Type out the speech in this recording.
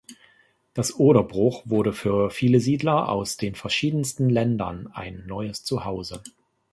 Das Oderbruch wurde für viele Siedler aus den verschiedensten Ländern ein neues Zuhause.